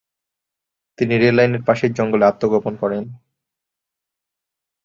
তিনি রেললাইনের পাশের জঙ্গলে আত্মগোপন করেন।